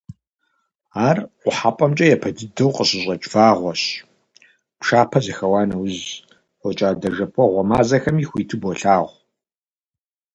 Ар Къухьэпӏэмкӏэ япэ дыдэу къыщыщӏэкӏ вагъуэщ, пшапэ зэхэуа нэужь, фокӏадэ-жэпуэгъуэ мазэхэми хуиту болъагъу.